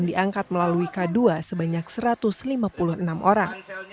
diangkat melalui k dua sebanyak satu ratus lima puluh enam orang